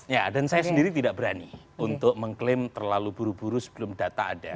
ya dan saya sendiri tidak berani untuk mengklaim terlalu buru buru sebelum data ada